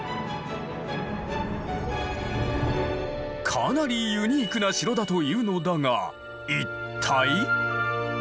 かなりユニークな城だというのだが一体？